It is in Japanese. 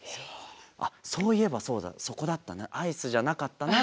あっそういえばそうだそこだったなアイスじゃなかったなって思いながら。